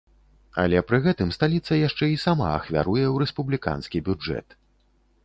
Але пры гэтым сталіца яшчэ і сама ахвяруе ў рэспубліканскі бюджэт.